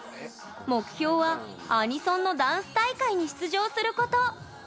目標はアニソンのダンス大会に出場すること。